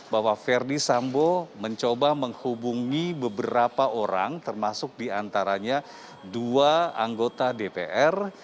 bahwa verdi sambo mencoba menghubungi beberapa orang termasuk diantaranya dua anggota dpr